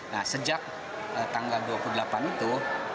nah sejak tanggal dua puluh delapan itu